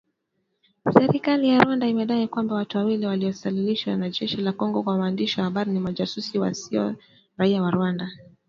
Serikali ya Rwanda imedai kwamba watu wawili waliowasilishwa na jeshi la Kongo kwa waandishi wa habari, ni majasusi na sio raia wa Rwanda